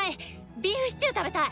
ビーフシチュー食べたい！